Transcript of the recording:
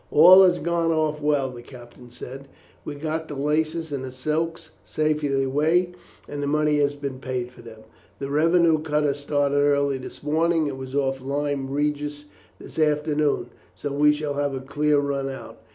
"All has gone off well," the captain then said. "We got the laces and silks safely away, and the money has been paid for them. The revenue cutter started early this morning, and was off Lyme Regis this afternoon, so we shall have a clear run out.